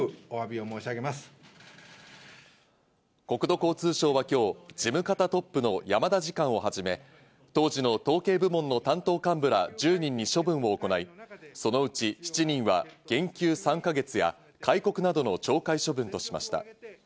国土交通省は今日、事務方トップの山田次官をはじめ、当時の統計部門の担当幹部ら１０人に処分を行い、そのうち７人は減給３か月や戒告などの懲戒処分としました。